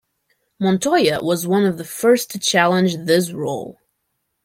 Montoya was one of the first to challenge this role.